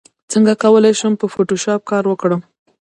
څنګه کولی شم په فوټوشاپ کار وکړم